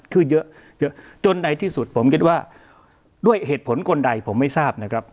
คือเยอะเยอะจนในที่สุดผมคิดว่าด้วยเหตุผลคนใดผมไม่ทราบนะครับ